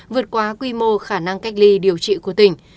vượt quá quy mô khả năng cách ly điều trị của tỉnh